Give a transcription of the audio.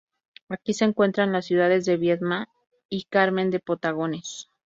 Aquí se encuentran las ciudades de Viedma y Carmen de Patagones.